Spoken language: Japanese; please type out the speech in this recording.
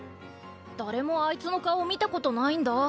誰もあいつの顔を見たことないんだ。